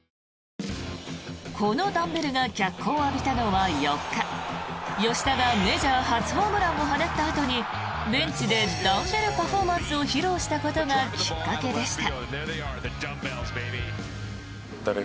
このダンベルが脚光を浴びたのは４日吉田がメジャー初ホームランを放ったあとにベンチでダンベルパフォーマンスを披露したことがきっかけでした。